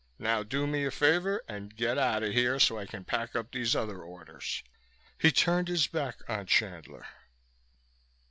Now do me a favor and get out of here so I can pack up these other orders." He turned his back on Chandler.